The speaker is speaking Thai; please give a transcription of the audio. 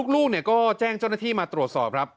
ลูกก็แจ้งเจ้าหน้าที่มาตรวจสอบครับ